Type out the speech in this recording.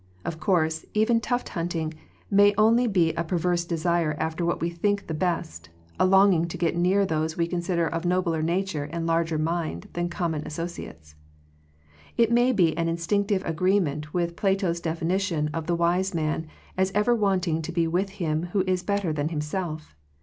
Of course, even tuft hunting may be only a perverted desire after what we think the best, a longing to get near those we consider of nobler nature and larger mind than common as i sociates. It may be an instinctive agree | ment with Plato's definition of the wise man, as ever wanting to be with him who is better than himself.